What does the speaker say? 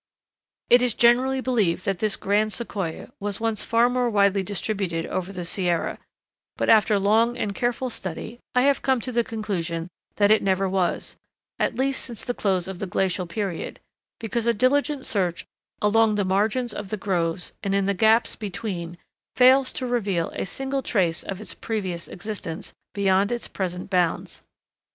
It is generally believed that this grand Sequoia was once far more widely distributed over the Sierra; but after long and careful study I have come to the conclusion that it never was, at least since the close of the glacial period, because a diligent search along the margins of the groves, and in the gaps between, fails to reveal a single trace of its previous existence beyond its present bounds.